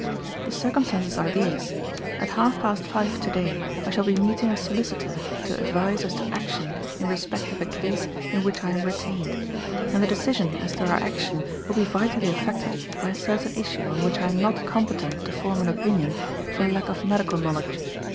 The circumstances are these. At half past five today I shall be meeting a solicitor to advise as to action in respect of a case in which I am retained; and the decision as to our action will be vitally affected by a certain issue on which I am not competent to form an opinion for lack of medical knowledge.